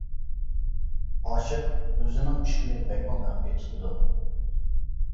ئاشىق ئۆزىنىڭ ئىشقىنى بەكمۇ مەخپىي تۇتىدۇ.